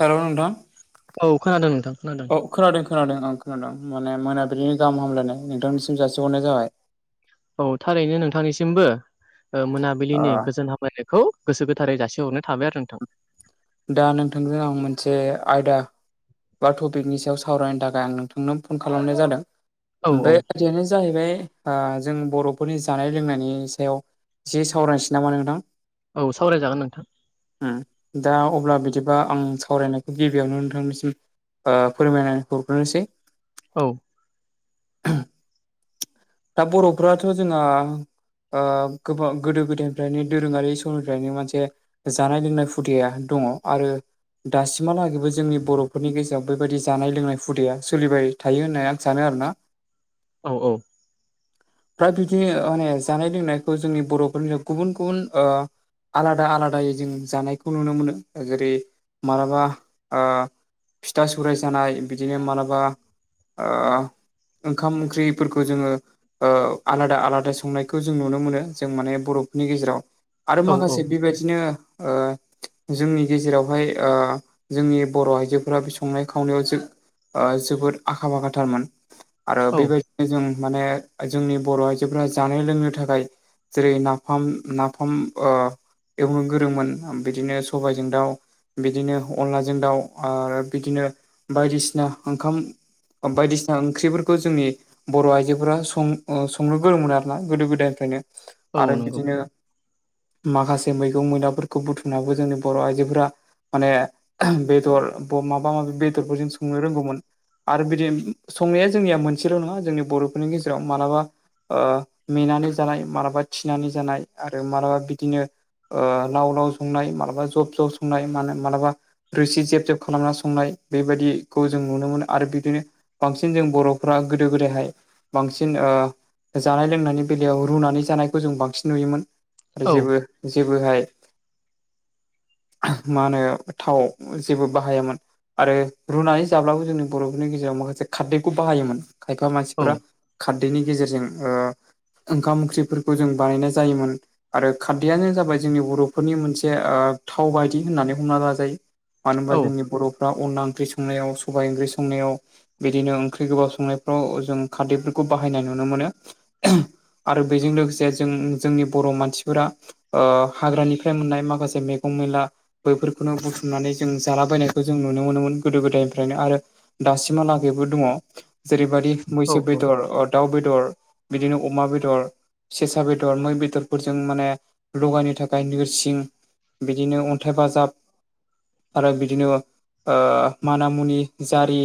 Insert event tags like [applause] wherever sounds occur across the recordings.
हेल' नोंथां औ खोनादों नोंथां खोनादों अ खोनादों खोनादों खोनादों माने मोनाबिलिनि गाहाम हामलायनाय नोंथांनिसिम जासिहरनाय जाबाय औ थारैनो नोंथांनिसिमबो ओ मोनाबिलिनि गोजोन हामलायनायखौ गोसो गोथारै जासिहरनाय थाबाय आरो नोंथां दा नोंथांजों आं मोनसे आयदा बा टपिकनि सायाव सावरायनो थाखाय आं नोंथांनो फन खालामनाय जादों औ औ खोथाययानो जाहैबाय जों बर'फोरनि जानाय लोंनायनि सायाव एसे सावरायनोसै नामा नोंथां औ सावरायजागोन नोंथां दा अब्ला बिदिबा आं सावरायनायखौ गिबियावनो नोंथांनिसिम फोरमायनानै हरग्रोनोसै औ दा बर'फोराथ' जोंहा गोबां गोदो गोदायनिफ्रायनो दोरोङारि समनिफ्रायनो मोनसे जानाय लोंनाय हुदाया दङ आरो दासिमहालागैबो जोंनि बर'फोरनि गेजेराव बेबायदि जानाय लोंनाय हुदाया सोलिबाय थायो होननानै आं सानो आरोना औ औ फाय बिदिनो माने जानाय लोंनायखौ जोंनि बर'फोरनि गुबुन गुबुन आलादा आलादायै जों जानायखौ नुनो मोनो जेरै मालाबा फिथा सौराय जानाय बिदिनो मालाबा ओ ओंखाम ओंख्रिफोरखौ जोङो ओ आलादा आलादा संनायखौ जों नुनो मोनो जों माने बर'फोरनि गेजेराव आरो औ माखासे बेबायदिनो जोंनि गेजेरावहाय ओ जोंनि बर' आइजोफोरा बे संनाय खावनायाव जो ओ जोबोद आखा फाखाथारमोन आरो औ बेबायदि जों माने जोंनि बर' आइजोफोरा जानो लोंनो थाखाय जेरै नाफाम नाफाम ओ एवनो गोरोंमोन बिदिनो सबायजों दाउ बिदिनो अनलाजों दाउ आरो बिदिनो बायदिसिना ओंखाम बायदिसिना ओंख्रिफोरखौ जोंनि बर' आइजोफोरा सं संनो गोरों मोनो आरोना गोदो गोदायनिफ्रायनो औ आरो नंगौ बिदिनो माखासे मैगं मैदाफोरखौ बुथुम उनावो जोंनि बर' आइजोफोरा माने बेदर माबा माबि बेदरफोरजों संनो रोंगौमोन आरो बिदि संनाया जोंनिया मोनसेल' नङा जोंनि बर'फोरनि गेजेराव मालाबा मेनानै जानाय मालाबा थिनानै जानाय आरो मालाबा बिदिनो लाव लाव संनाय मालाबा जब जब संनाय मानो होनो मालाबा रोसि जेब जेब खालामना संनाय बेबायदिखौ जों नुनो मोनो आरो बिदिनो बांसिन जों बर'फ्रा गोदो गोदायहाय बांसिन जानाय लोंनायनि बेलायाव रुनानै जानायखौ जों बांसिन नुयोमोन आरो औ जेबो जेबोहाय मा होनो थाव जेबो बाहायामोन। आरो रुनानै जाब्लाबो जोंनि बर'फोरनि गेजेराव माखासे खारदैखौ बाहायोमोन खायफा औ मानसिफ्रा। खारदैनि गेजेरजों ओ ओंखाम ओंख्रिफोरखौ जों बानायनाय जायोमोन आरो खारदैयानो जाबाय जोंनि बर'फोरनि मोन से ओ थाव बायदि होननानै हमना लाजायो मानो ओमबा औ जोंनि बर' अनला ओंख्रि संनायाव सबाइ ओंख्रि संनायाव बिदिनो ओंख्रि गोबाव संनायफ्राव जों खारदैफोरखौ बाहायनाय नुनो मोनो। आरो बेजों लोगोसे जों जोंनि बर' मानसिफोरा। ओ हाग्रानिफ्राय मोननाय माखासे मैगं मैला। बैफोरखौनो बुथुमनानै जों जालाबायनायखौ जों नुनो मोनोमोन गोदो गोदायनिफ्रायनो आरो दासिमहालागैबो दङ जेरैबायदि औ मैसो बेदर अद दाउ बेदर बिदिनो अमा बेदर सेसा बेदर मै बेदरफोरजों माने लगायनो थाखाय नोरसिं बिदिनो अन्थाइ बाजाब आरो बिदिनो ओ माना मुनि जारि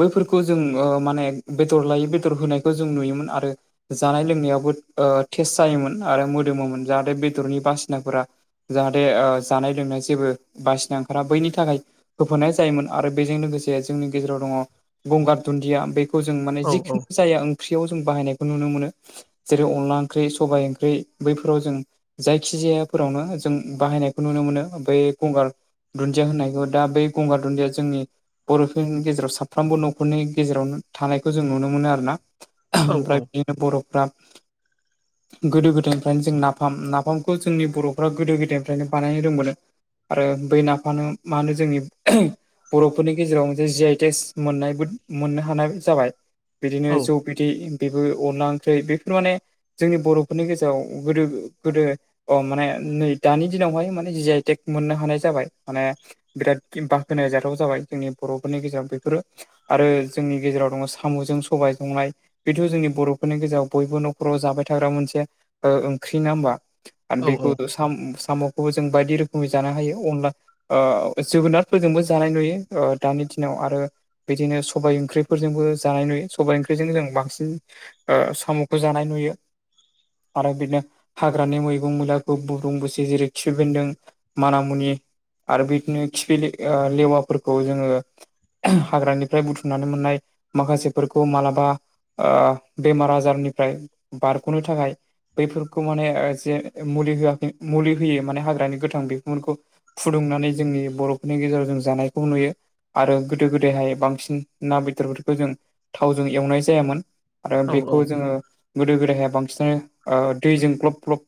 बैफोरखौ जों ओ माने बेदर लायै बेदर होनायखौ जों नुयोमोन आरो। जानाय लोंनायावबो ओ टेस्ट जायोमोन आरो मोदोमोमोन जाहाथे बेदरनि बासिनाफोरा बे ओ जानाय लोंनाय जेबो बासिना ओंखारा बैनि थाखाय होफानाय जायोमोन आरो बेजों लोगोसे जोंनि गेजेराव दङ गंगार दुन्दिया बे खौ जों माने औ जिखुन जाया ओंख्रियाव जों बाहायनायखौ नुनो मोनो। जेरै अनला ओंख्रै सबाइ ओंख्रै बैफोराव जों जायखि जायाफोरावनो जों बाहायनायखौ नुनो मोनो बै गंगार दुन्दिया होननायखौ दा बै गंगार दुन्दिया जोंनि बर'फोरनि गेजेराव साफ्रोमबो न'खरनि गेजेरावनो थानायखौ जों नुनो मोनो आरोना औ ओमफ्राय बिदिनो बर'फ्रा गोदो-गोदायनिफ्रायनो जों नाफाम नाफामखौ जोंनि बर'फ्रा गोदो गोदा यनिफ्रायनो बानायनो रोंबोदों आरो बै नाफानो मा होनो जोंनि बर'फोरनि गेजेराव मोनसे जि आइटेस मोननायबो मोननो हानाय जाबाय बिदिनो औ औ जौ बिदि बेबो अनला ओंख्रि बेफोर माने जोंनि बर'फोरनि गेजेराव गोदो गोदो अ माने नै दानि दिनावहाय माने जि आइटेक मोननो हानाय जाबाय माने बिराद बि बाखनाय जाथाव जाबाय जोंनि बर'फोरनि गेजेराव बेफोरो आरो जोंनि गेजेराव दङ साम'जों सबाय संनाय बेथ' जोंनि बर'फोरनि गेजेराव बयबो न'खराव जाबाय थाग्रा मोनसे ओ ओंख्रि ना ओमबा आरो औ बेखौ साम साम'खौबो जों बायदि रोखोमै जानो हायो अनला ओ जोगोनारफोरजोंबो जानाय नुयो दानि दिनाव आरो बिदिनो सबाय ओंख्रिफोरजोंबो जानाय नुयो सबाइ ओंख्रिजोंनो जों बांसिन ओ साम'खौ जानाय नुयो आरो बिदिनो हाग्रानि मैगं मुलाखौबो दंबुसे जेरै खिफि बेन्दों माना मुनि आरो बिदिनो खिफि लि ओ लेवाफोरखौ जोंङो हाग्रानिफ्राय बुथुमनानै मोननाय माखासेफोरखौ मालाबा ओ बेमार आजारनिफ्राय बारग'नो थाखाय बैफोरखौ माने ओ जे मुलि होआखै मुलि होयो माने हाग्रानि गोथांफोरखौ फुदुंनानै जोंनि बर'फोरनि गेजेराव जों जानायखौ नुयो आरो गोदो-गोदायहाय बांसिन ना बेदरफोरखौ जों थावजों एवनाय जायामोन। आरो बेखौ जोङो गोदो-गोदाहाय बांसिनानो ओ दैजों ग्लब ग्लब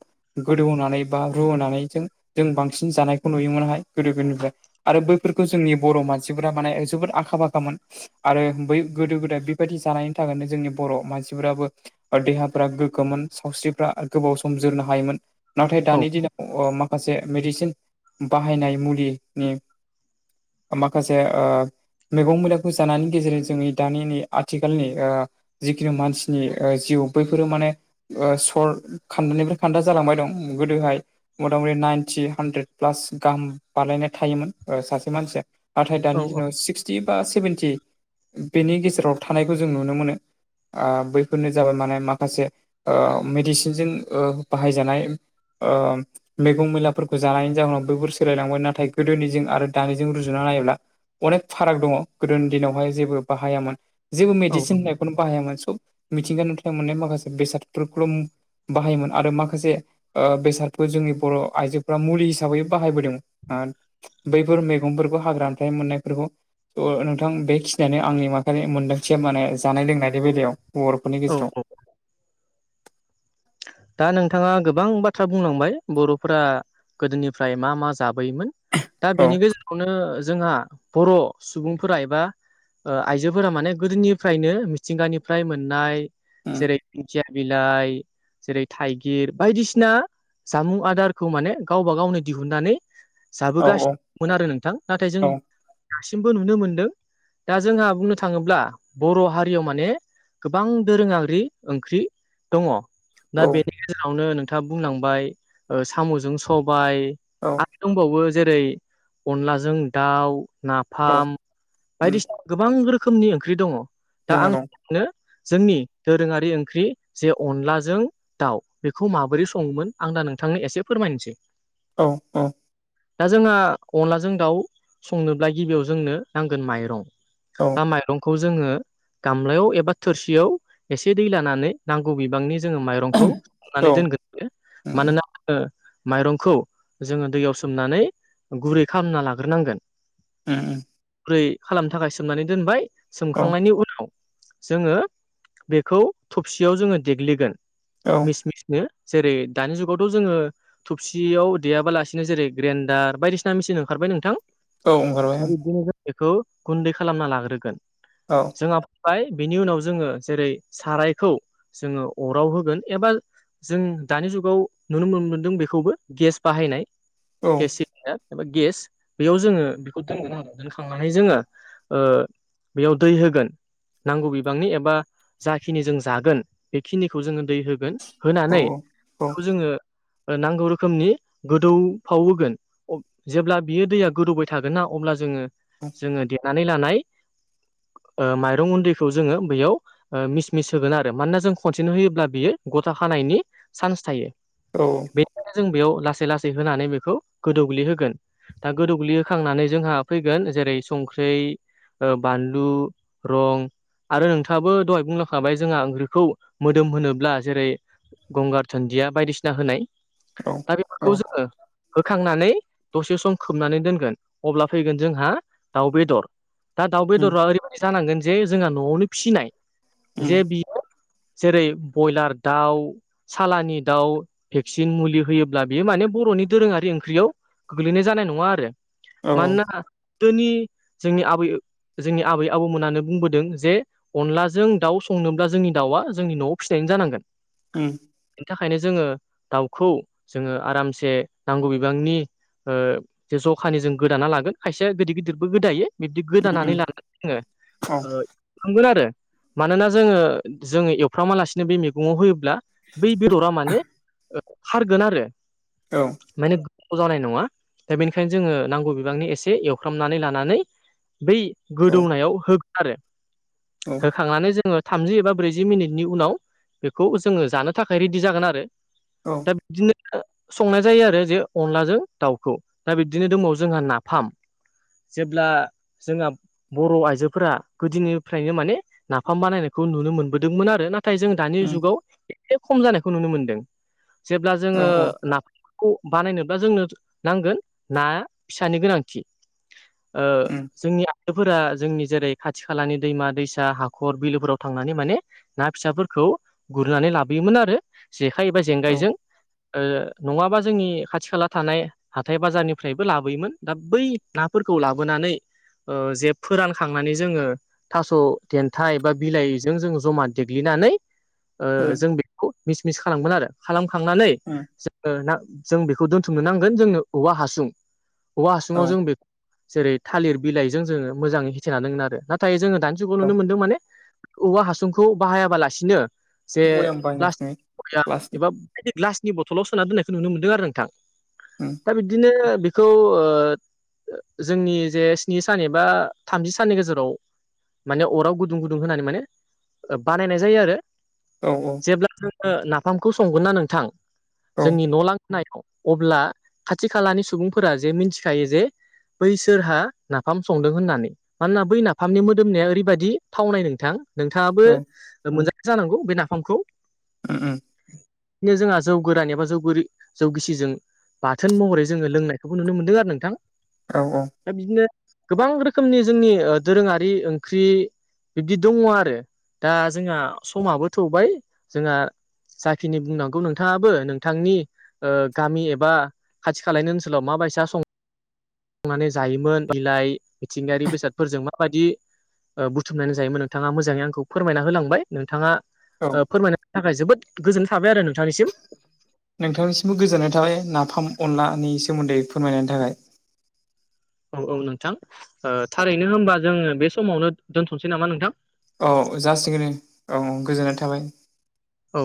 गोदौहोनानै बा रुहोनानैजों जों बांसिन जानायखौ नुयोमोनहाय गोदो गोदोनिफ्राय आरो बैफोरखौ जोंनि बर' मानसिफोरा माने जोबोद आखा- फाखामोन। आरो बै गोदो-गोदाय बेबायदि जानायनि थाखायनो जोंनि बर' मानसिफोराबो देहाफ्रा गोगोमोन सावस्रिफ्रा गोबाव सम जोरनो हायोमोन नाथाय दानि दिनाव माखासे मेडिसिन बाहायनाय मुलिनि माखासे ओ मैगं मैलाखौ जानायनि गेजेरजों जोंनि दानि नै आथिखालनि जिखुनु मानसिनि जिउ बैफोरो माने सर खान्दानिफ्राय खान्था जालांबाय दं गोदोहाय मथा मथि नाइनटि हानड्रेद प्लास गाहाम बानायायनाय थायोमोन सासे मानसिया नाथाय दानि औ दिनाव सिक्सटि बा सेभेेनटि बेनि गेजेराव थानायखौ जों नुनो मोनो । बैफोरनो जाबाय माने माखासे मेडिसिनजों बाहायजानाय । ओ मैगं मैलाफोरखौ जानायनि जाहोनाव बैफोर सोलायलांबाय नाथाय गोदोनिजों आरो दानिजों रुजुना नायोब्ला अनेक फाराग दङ गोदोनि दिनावहाय जेबो बाहायामोन जेबो औ मेडिसिन होननाय नो बाहायामोन सब मिथिंगानि नुथाइ मोननाय माखासे बेसादफोरखौल' बाहायोमोन आरो माखासे बेसादखौ जोंनि बर' आइजोफोरारा मुलि हिसाबै बाहायबोदों बैफोर मैगंफोरखौ हाग्रा आथाइ मोननायफोरखौ स' नोंथां बेखिनियानो आंनि माखालि मोनदांथिया माने जानाय लोंनायनि बेलायाव बर'फोरनि गेजेराव औ दा नोंथाङा गोबां बाथ्रा बुंलांबाय बर'फोरा गोदोनिफ्राय मा मा जाबोयोमोन दा औ बेनि गेजेराव बेखौनो जोंहा बर' सुबुंफोरा एबा आइजोफोरा माने गोदोनिफ्रायनो मिथिंगानिफ्राय मोननाय उम जेरै दिंखिया बिलाइ जेरै थाइगिर बायदिसिना जामुं आदारखौ माने गावबा गावनो दिहुननानै औ जाबोगासिनोमोन आरो नोंथां नाथाय जों औ दासिमबो नुनो मोनदों । दा जोंहा बुंनो थाङोब्ला बर' हारियाव माने गोबां दोरोङि ओंख्रि दङ । दा औ बेनि गेजेरावनो नोंथाङा बुंलांबाय साम'जों सबाय औ । आरो दंबावो जेरै अनलाजों दाउ औ नाफाम उम बायदिसिना गोबां रोखोमनि ओंख्रि दङ दा दङ आं दं जोंनि दोरोंङारि ओंख्रि जे अनलाजों दाउ बेखौ माबोरै सङोमोन आं दा नोंथांनो एसे फोरमायनोसै औ औ दा जोंहा अनलाजों दाउ संनोब्ला गिबियाव जोंनो नांगोन माइरं औ । ना माइरंखौ जोंङो गामलायाव एबा थोरसियाव एसे दै लानानै नांगौ बिबांनि जोङो माइरं खौ हनानै औ दोनगोन यो उम मानोना जोङो माइरंखौ जोङो दैयाव सोमनानै गुरै खालामना लाग्रोनांगोन [unintelligible] गुरै खालामनो थाखाय सोमनानै दोनबाय औ सोमखांनायनि उनाव जोङो बेखौ थबसियाव जोङो देग्लिगोन औ मिनो जेरै दानि जुगावथ' जोंङो थबसियाव देयाबालासिनो जेरै ग्रेन्डार बायदिसिना मेसिन ओंखारबाय नोंथां औ । ओंखारबाय दा बिदिनो जों बेखौ गुन्दै खालामना लाग्रोगोन औ । जोंहा फैबाय बिनि उनाव जोंङो जेरै सारायखौ जोंङो अराव होगोन एबा जों दानि जुगाव नुनो मोन मोनदों बेखौबो गेस बाहायनाय । औ गेस एबा गेस बेयाव जोङो बेखौ दोनगोन आरो दोनखांनानै जोङो ओ बेयाव दै होगोन । नांगौ बिबांनि एबा जाखिनि जों जागोन बेखिनिखौ जोङो दै हो औ होनानै औ बेखौ जोङो ओ नांगौ रोखोमनि गोदौफाव होगोन जेब्ला बियो दैया गोदौबाय थागोन ना अब्ला जोङो जोङो देनानै लानाय ओ माइरं उन्दैखौ जोङो बैयाव ओ मिस - मिस होगोन आरो मानोना जों खनसेनो होयोब्ला बियो गथा खानायनि सान्स थायो । औ बेनिथाखाय जों बेयाव लासै लासै होनानै बेखौ गोदौग्लिहोगोन । दा गोदौग्लिहखांनानै जोंहा फैगोन जेरै संख्रै ओ बानलु, रं आरो नोंथाङाबो दहाय बुंलांखाबाय जोंहा ओंख्रिखौ मोदोम होनोब्ला जेरै गंगार दुनदिया बायदिसिना होनाय औ दा औ बेफोरखौ जोङो होखांनानै दसे सम खोबनानै दोनगोन अब्ला फैगोन जोंहा दाउ बेदर । दा दाउ उम बेदरा ओरैबायाददि जानांगोन जे जोंहा न'आवनो फिसिनाय उम जे बियो जेरै बयलार दाउ, सालानि दाउ भेक्सिन मुलि होयोब्ला बेयो माने बर'नि दोरोङारि ओंख्रियाव गोग्लैनाय जानाय नङा आरो औ मानोना गोदोनि जोंनि आबै जोंनि आबै आबौमोनानो बुंबोदों जे अनलाजों दाउ संनोब्ला जोंनि दाउआ जोंनि न'आव फिाइानो जानांगोन । उम । बेनि थाखायनो जोङो दाउखौ जोङो आरामसे नांगौ बिबांनि ओ जे जखानि जों गोदाना लागोन खायसेया गिदिर गिदिरबो गोदायो । बिबदि उम गोदानानै उम लानानै जोङो औ ओ थांगोन आरो मानोना जोङो जोङो एवफ्रामालासिनो बे मैगङाव होयोब्ला बै बेदरा माने ओ खारगोन आरो । औ माने गोथाव जानाय नङा दा बेनिखायनो जोङो नांगौ बिबांनि एसे एवफ्रामनानै लानानै बै औ गोदौनायाव होग आरो होखांनानै जोङो थामजि एबा ब्रैजि मिनिटनि उनाव बेखौ जोङो जानो थाखाय रेडि जागोन आरो । औ दा बिदिनो आ संनाय जायो आरो जे अनलाजों दाउखौ दा बिब्दिनो दंब जोंहा नाफाम । जेब्ला जोंहा बर' आइजोफोरा गोदोनिफ्रायनो माने नाफाम बानायनायखौ नुनो मोनबोदोंमोन आरो नाथाय जों दानि उम जुगाव एसे खम जानायखौ नुनो मोनदों जेब्ला औ जोङो नाफाम खौ बानायनोब्ला जोंनो नांगोन नाया फिसानि गोनांथि उम जोंनिया फफोरा जोंनि जेरै खाथि खालानि दैमा दैसा हाखर बिलोफोराव थांनानै माने ना फिसाफोरखौ खौ गुरनानै लाबोयोमोन आरो जेखाइ एबा औ जेंगायजों नङाबा जोंनि खाथि खाला थानाय हाथाय बाजारनिफ्रायबो लाबोयोमोन दा बै नाफोरखौ लाबोनानै ओ जे फोरानखांनानै जोङो थास' देन्थाइ बा बिलाइजों जों जमा देग्लिनानै ओ उम जों बेखौ मिस - मिस खालामगोन आरो खालामखांनानै उम जोङो ना जों बेखौ दोनथुमनो नांगोन जोंनो औवा हासुं औवा हासुङाव औ जों बे जेरै थालिर बिलाइजों जोङो मोजाङै हेथेनानैांगोन आरो नाथाय जोङो दानि जुगाव औ नुनो मोन्दों माने औवा हासुंखौ बाहायाबालासिनो जे बयाम बायनांसिगोन प्लास्टिक बयाम क्लासनि एबा आदि ग्लासनि बथलाव सोना दोननायखौुनो मोनदों आरो नोंथां उम दा बिदिनो बेखौ जोंनि जे स्नि सान एबा थामजि साननि गेजेराव माने अराव गुदुं गुदुं होनानै माने बानायनाय जायो आरो औ औ। नों औ जोंनि ल नाय अब्ला खाथि खालानि सुबुंफोरा जे मिथिखायो जे बैसोरहा नाफाम संदों होननानै। मानोना बै नाफामनि मोदोमनाया ओरैबायदि थावनाय नोंथां। नोंथाङाबो औ मोनजा जानांगौ बे नाफामखौ। ओ ओम। बिदिनो जोंहा जौ गोरान एबा जौ जौगिसिजों बाथोन महरै जोङो लोंनायखौबो नुनो मोन्दों आरो नोंथां। औ औ। दा बिदिनो गोबां रोखोमनि जोंनि दोरोङारि ओंख्रि बिब्दि दङ आरो दा जोंहा समाबो थौबाय जोंहा जाखिनि बुंनांगौ नोंथाङाबो नोंथांनि गामि एबा खाथि खालानि ओनसोलाव माबायसा सं संनानै जायोमोन बिलााय मिथिंगायारि बेसादफोरजों माबायदि बुथुमनानै जायोन नोंथाङा मोजाङै आंखौ फोरमायना होलांबाय। नोंथाङा औ फोरमाय थाखाय जोबोद गोजोन थाबाय आरो नोंथांनिसिम। नोंथांनिसिमबो गोजोननाय थाबाय नाफाम अनलानि सोमोन्दै फोरमायनायनि थाखाय। औ औ नोंथां थारैनो होनबा जोङो बे समावनो दोनथ'नोसै नामा नोंथां? औ जासिगोन औ गोजोननाय थाबाय। औ।